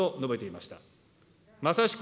まさしく